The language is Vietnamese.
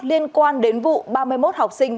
liên quan đến vụ ba mươi một học sinh